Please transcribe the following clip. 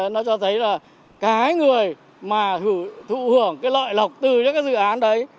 nó cho thấy là cái người mà thụ hưởng cái lợi lọc từ những cái dự án đấy